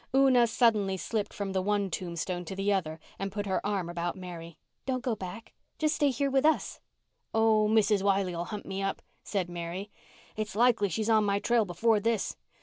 Una suddenly slipped from the one tombstone to the other and put her arm about Mary. "Don't go back. Just stay here with us." "Oh, Mrs. Wiley'll hunt me up," said Mary. "It's likely she's on my trail before this.